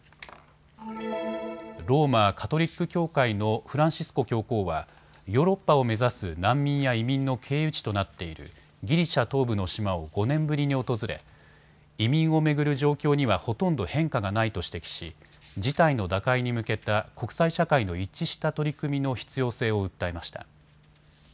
ローマ・カトリック教会のフランシスコ教皇はヨーロッパを目指す難民や移民の経由地となっているギリシャ東部の島を５年ぶりに訪れ移民を巡る状況にはほとんど変化がないと指摘し事態の打開に向けた国際社会の一致した取り組みの必要性を訴えました。